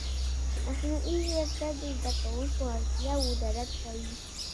مصنوعي ځیرکتیا د زده کوونکو اړتیاوې درک کوي.